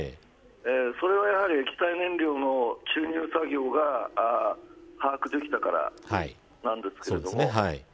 それは、やはり液体燃料の注入作業が把握できたからなんですけれども。